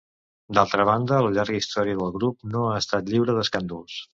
D'altra banda, la llarga història del grup no ha estat lliure d'escàndols.